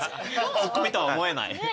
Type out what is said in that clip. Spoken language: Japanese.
ツッコミとは思えない。